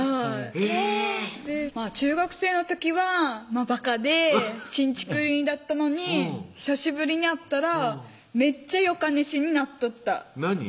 へぇ中学生の時はバカでちんちくりんだったのに久しぶりに会ったらめっちゃよかにせになっとった何？